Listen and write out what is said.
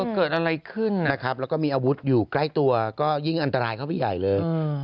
เกิดอะไรขึ้นนะครับแล้วก็มีอาวุธอยู่ใกล้ตัวก็ยิ่งอันตรายเข้าไปใหญ่เลย